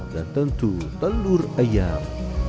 dan tentu telur ayam